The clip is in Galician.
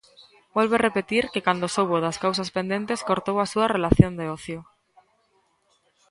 Volve repetir que cando soubo das causas pendentes cortou a súa "relación de ocio".